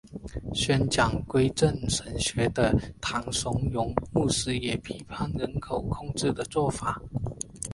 宣讲归正神学的唐崇荣牧师也批判人口控制的做法。